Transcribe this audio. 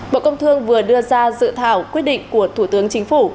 bộ công thương vừa đưa ra dự thảo quyết định của thủ tướng chính phủ